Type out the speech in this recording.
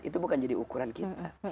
itu bukan jadi ukuran kita